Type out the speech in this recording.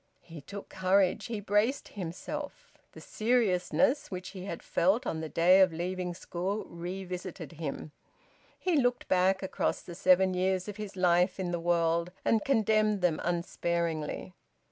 He took courage. He braced himself. The seriousness which he had felt on the day of leaving school revisited him. He looked back across the seven years of his life in the world, and condemned them unsparingly.